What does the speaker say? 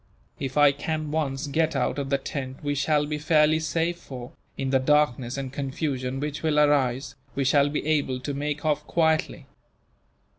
If I can once get out of the tent we shall be fairly safe for, in the darkness and confusion which will arise, we shall be able to make off quietly.